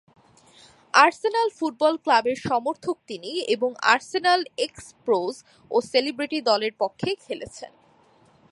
Arsenal football ক্লাবের সমর্থক তিনি এবং আর্সেনাল এক্স-প্রোজ ও সেলিব্রিটি দলের পক্ষে খেলেছেন।